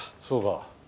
そうか。